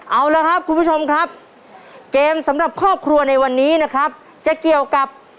เอาละครับคุณผู้ชมครับเกมสำหรับครอบครัวในวันนี้นะครับจะเกี่ยวกับ